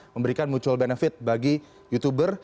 memberikan mutual benefit bagi youtuber